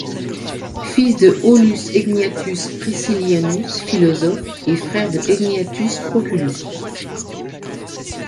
Fils de Aulus Egnatius Priscillianus, philosophe, et frère de Egnatius Proculus.